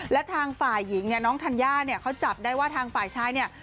และทางฝ่ายหญิงเนี่ยน้องธัญญาเนี่ยเขาจับได้ว่าทางฝ่ายชายเนี่ย